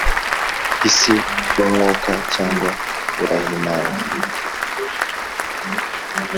isi y’umwuka, cyangwa burahimani